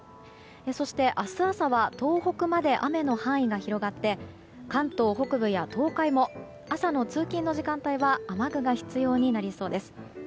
そして、明日朝は東北まで雨の範囲が広がって関東北部や東海も朝の通勤の時間帯は雨具が必要になりそうです。